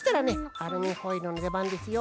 アルミホイルのでばんですよ。